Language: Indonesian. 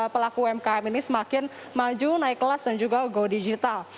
pelaku umkm ini semakin maju naik kelas dan juga go digital